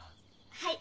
はい。